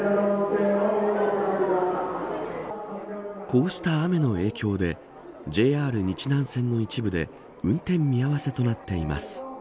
こうした雨の影響でＪＲ日南線の一部で運転見合わせとなっています。